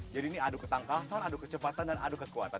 jadi ini aduk ketangkasan aduk kecepatan dan aduk kekuatan